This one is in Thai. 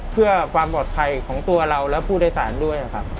เพื่อความปลอดภัยของตัวเราและผู้โดยสารด้วยครับ